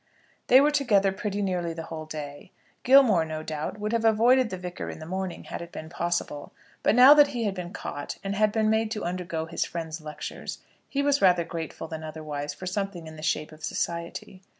They were together pretty nearly the whole day. Gilmore, no doubt, would have avoided the Vicar in the morning had it been possible; but now that he had been caught, and had been made to undergo his friend's lectures, he was rather grateful than otherwise for something in the shape of society.